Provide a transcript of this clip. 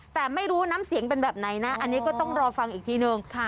แต่ไม่รู้น้ำเสียงเป็นแบบไหนนะอันนี้ก็ต้องรอฟังอีกทีนึง